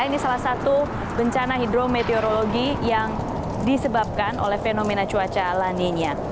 ini salah satu bencana hidrometeorologi yang disebabkan oleh fenomena cuaca laninya